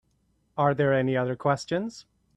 Are there any other questions?